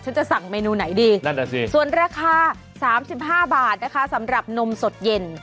ฉันจะสั่งเมนูไหนดีส่วนราคา๓๕บาทนะคะสำหรับนมสดเย็น